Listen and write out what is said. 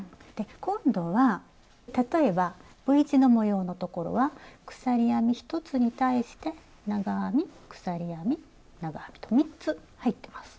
今度は例えばＶ字の模様のところは鎖編み１つに対して長編み鎖編み長編みと３つ入ってます。